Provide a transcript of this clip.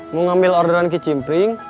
mau ngambil orderan kicimpring